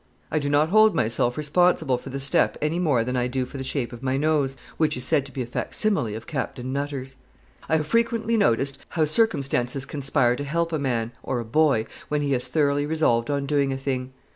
I do not hold myself responsible for the step any more than I do for the shape of my nose, which is said to be a facsimile of Captain Nutter's. I have frequently noticed how circumstances conspire to help a man, or a boy, when he has thoroughly resolved on doing a thing.